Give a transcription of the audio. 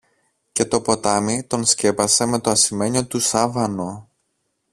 και το ποτάμι τον σκέπασε με το ασημένιο του σάβανο.